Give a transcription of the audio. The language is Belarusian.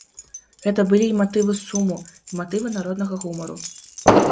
Гэта былі і матывы суму, і матывы народнага гумару.